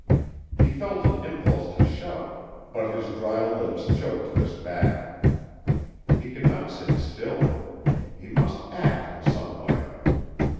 He felt an impulse to shout, but his dry lips choked this back. He could not sit still. He must act in some way.